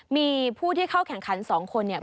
มีผู้ที่เข้าแข่งขัน๒คนบริษัทงาน